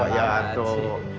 pak yaak pak yaak